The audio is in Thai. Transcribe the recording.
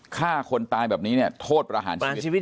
ฆ่าคนตายแบบนี้เนี่ยโทษประหารชีวิต